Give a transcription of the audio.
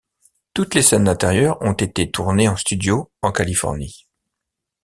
Toutes les scènes d'intérieur ont été tournées en studio en Californie.